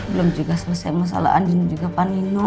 belum juga selesai masalah andin juga pak nino